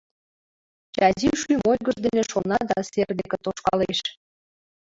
— Чази шӱм ойгыж дене шона да сер деке тошкалеш.